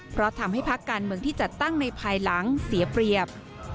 เพราะทำให้พักการเมืองที่จัดตั้งในภายหลังเสียเปรียบ